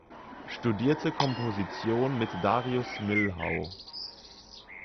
Studierte Komposition mit Darius Milhaud.